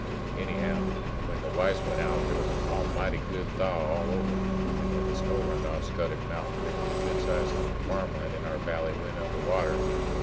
Anyhow, when the ice went out there was an almighty good thaw all over, and when the snow run off Scuttock mountain there was a good sized hunk of farmland in our valley went under water.